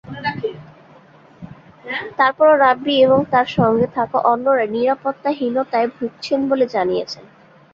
তারপরও রাব্বী এবং তাঁর সঙ্গে থাকা অন্যরা নিরাপত্তাহীনতায় ভুগছেন বলে জানিয়েছেন।